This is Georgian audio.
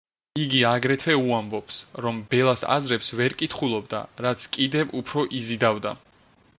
იგი აგრეთვე უამბობს, რომ ბელას აზრებს ვერ კითხულობდა, რაც კიდევ უფრო იზიდავდა.